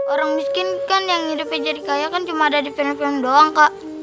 orang miskin kan yang hidupnya jadi kaya cuma ada di penerbangan doang kak